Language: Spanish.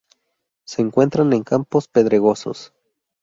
Se encuentran en campos pedregosos.